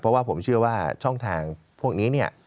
เพราะว่าผมเชื่อว่าช่องทางพวกนี้เนี่ย